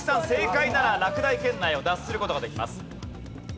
正解なら落第圏内を脱する事ができます。